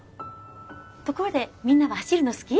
ところでみんなは走るの好き？